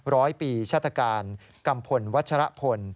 ร้อยปีชาตการกัมพลวัชรพล